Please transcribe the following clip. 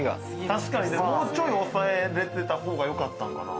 確かにもうちょい抑えれてたほうがよかったのかな。